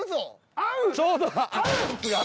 合う！